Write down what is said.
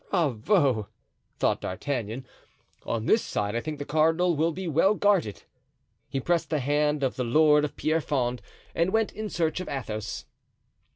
"Bravo!" thought D'Artagnan; "on this side I think the cardinal will be well guarded." He pressed the hand of the lord of Pierrefonds and went in search of Athos.